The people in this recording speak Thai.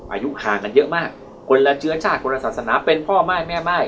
อายุห่างกันเยอะมากคนละเชื้อชาติคนละศาสนาเป็นพ่อม่ายแม่ม่าย